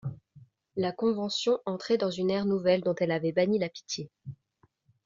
La Convention entrait dans une ère nouvelle dont elle avait banni la pitié.